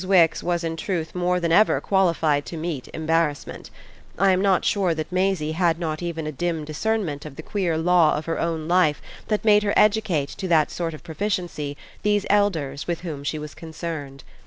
Wix was in truth more than ever qualified to meet embarrassment; I am not sure that Maisie had not even a dim discernment of the queer law of her own life that made her educate to that sort of proficiency those elders with whom she was concerned.